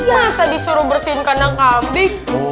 masa disuruh bersihin kandang kambing